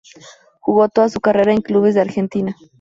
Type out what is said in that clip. Jugó toda su carrera en clubes de Argentina.